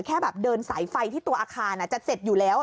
แค่แบบเดินสายไฟที่ตัวอาคารจะเสร็จอยู่แล้ว